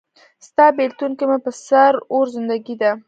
ستا بیلتون کې مې په سره اور زندګي ده